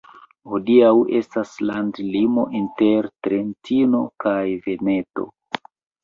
Hodiaŭ estas landlimo inter Trentino kaj Veneto.